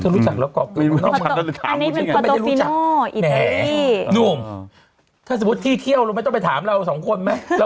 ดูหน้าใหม่เพื่อนพี่มรดำ